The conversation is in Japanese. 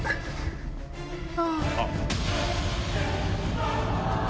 あっ！